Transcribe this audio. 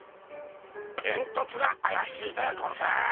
えんとつがあやしいでゴンス。